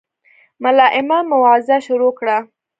ملا امام موعظه شروع کړه.